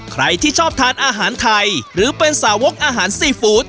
ใครที่ชอบทานอาหารไทยหรือเป็นสาวกอาหารซีฟู้ด